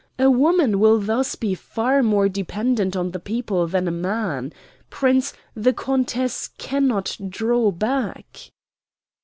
A woman will thus be far more dependent on the people than a man. Prince, the countess cannot draw back."